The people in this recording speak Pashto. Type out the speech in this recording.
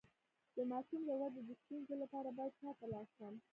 د ماشوم د ودې د ستونزې لپاره باید چا ته لاړ شم؟